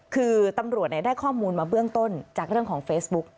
คือตำรวจได้ข้อมูลมาเบื้องต้นจากเรื่องของเฟซบุ๊ก